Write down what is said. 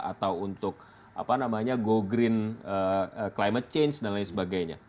atau untuk apa namanya go green climate change dan lain sebagainya